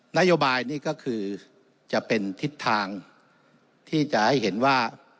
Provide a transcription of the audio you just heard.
นโยบายนี่ก็คือจะเป็นทิศทางที่จะให้เห็นว่า